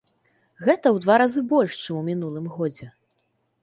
Гэта ў два разы больш, чым у мінулым годзе.